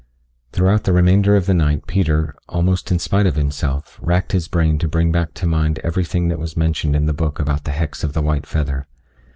Throughout the remainder of the night Peter, almost in spite of himself, wracked his brain to bring back to mind everything that was mentioned in the book about the hex of the white feather.